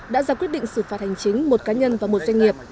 đã ra quyết định xử phạt hành chính một cá nhân và một doanh nghiệp